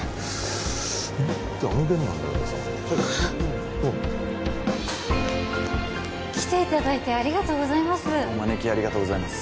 あの件なんだけどさあっ来ていただいてありがとうございますお招きありがとうございます